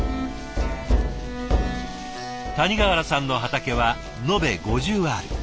谷川原さんの畑は延べ５０アール。